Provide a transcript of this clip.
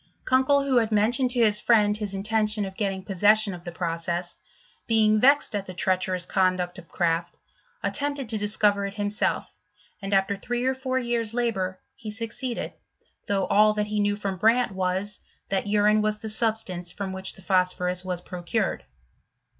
Kunkel, who had mentioned to his friend his intention of getting possession of the process, being vexed at the treacherous conduct of Kraft, attempted to discover it himself, and, after three or four years labour, he succeeded, though all that he knew from Brandt was, that urine was the substance from which the phosphorus was procured.